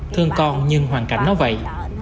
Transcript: thương con nhưng hoàn cảnh nó vậy